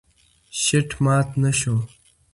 شیټ مات نه شو.